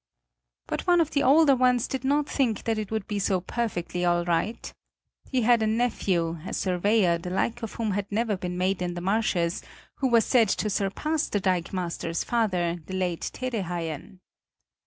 But one of the older ones did not think that it would be so perfectly all right. He had a nephew, a surveyor, the like of whom had never been in the marshes, who was said to surpass the dikemaster's father, the late Tede Haien.